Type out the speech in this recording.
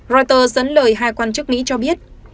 reuters dẫn lời hai quan chức mỹ cho biết